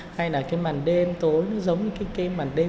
hay là cái màn đêm tối nó giống như cái màn đêm